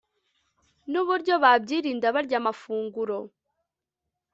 n'uburyo babyirinda, barya amafunguro